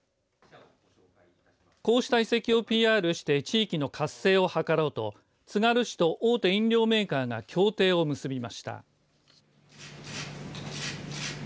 こうした遺跡をＰＲして地域の活性を図ろうとつがる市と大手飲料メーカーが協定を結びました。